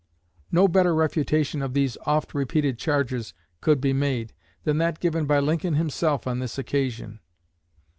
No better refutation of these oft repeated charges could be made than that given by Lincoln himself on this occasion.